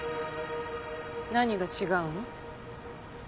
何が違うの？